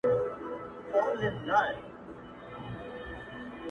o حقيقت ورو ورو ورکيږي دلته,